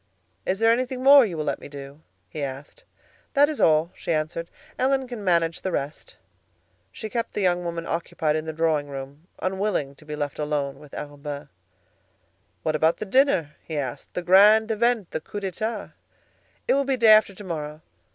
"Is there anything more you will let me do?" he asked. "That is all," she answered. "Ellen can manage the rest." She kept the young woman occupied in the drawing room, unwilling to be left alone with Arobin. "What about the dinner?" he asked; "the grand event, the coup d'état?" "It will be day after to morrow.